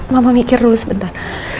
mama mikir dulu sebentar